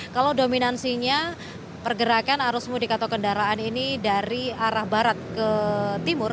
kalau dominansinya pergerakan arus mudik atau kendaraan ini dari arah barat ke timur